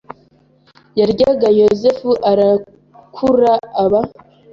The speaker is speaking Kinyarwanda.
yaryaga Yozefu arakura aba